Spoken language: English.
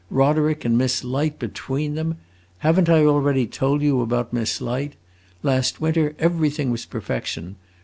Roderick and Miss Light, between them!... Have n't I already told you about Miss Light? Last winter everything was perfection.